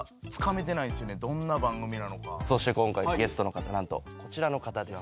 そして今回ゲストの方何とこちらの方です。